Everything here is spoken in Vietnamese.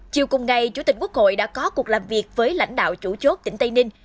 chiều cùng ngày chủ tịch quốc hội đã có cuộc làm việc với lãnh đạo chủ chốt tỉnh tây ninh